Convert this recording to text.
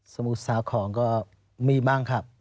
สมุทรสาของก็มีบ้างครับ